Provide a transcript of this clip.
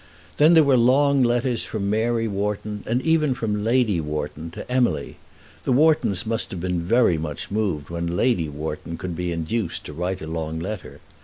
Then there were long letters from Mary Wharton, and even from Lady Wharton, to Emily. The Whartons must have been very much moved when Lady Wharton could be induced to write a long letter.